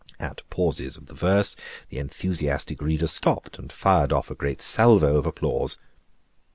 At pauses of the verse, the enthusiastic reader stopped and fired off a great salvo of applause.